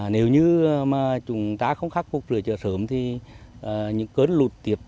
nếu như mà chúng ta không khắc phục sửa chữa sớm thì những cơn lụt tiếp